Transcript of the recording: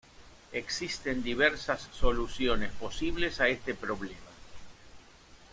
Existen diversas soluciones posibles a este problema.